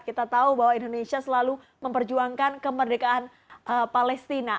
kita tahu bahwa indonesia selalu memperjuangkan kemerdekaan palestina